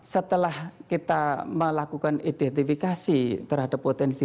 setelah kita melakukan identifikasi terhadap potensi